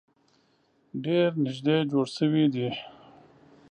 ډیر نیږدې جوړ شوي دي.